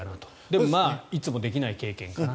でもいつもできない経験かなと。